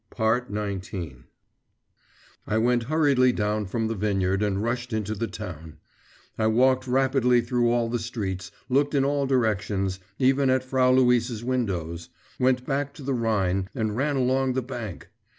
XIX I went hurriedly down from the vineyard and rushed into the town. I walked rapidly through all the streets, looked in all directions, even at Frau Luise's windows, went back to the Rhine, and ran along the bank.